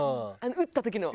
打った時の？